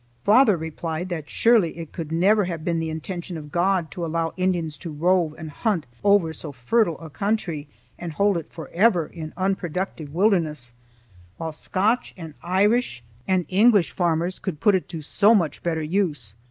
Father replied that surely it could never have been the intention of God to allow Indians to rove and hunt over so fertile a country and hold it forever in unproductive wildness, while Scotch and Irish and English farmers could put it to so much better use.